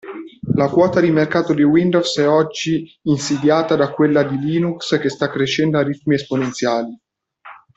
La quota di mercato di Windows è oggi insidiata da quella di Linux che sta crescendo a ritmi esponenziali.